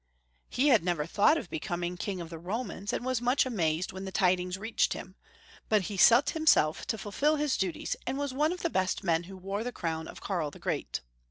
He had never thought of becoming King of the Romans, and was much amazed when the tidings reached him, but he set himself to fulfil liis duties, and was one of the best men who wore the crown of Karl the Great.